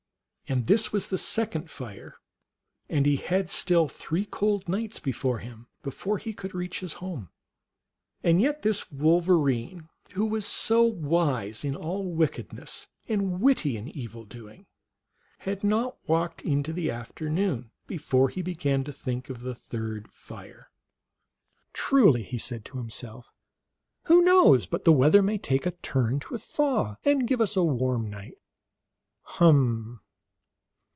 And this was the second fire, and he had still three cold nights before him before he could reach his home. And yet this Wolverine, who was so wise in all wickedness and witty in evil doing, had not walked into the afternoon before he began to think of the third fire. " Truly," he said to himself, " who knows but the weather may take a turn to a thaw, and give us a warm night ? Hum